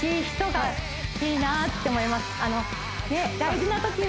がいいなって思います